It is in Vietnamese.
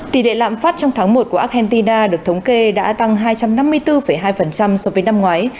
tỷ đệ lạm phát trong tháng một của argentina được thống kê đã tăng hai trăm năm mươi bốn hai so với năm ngoái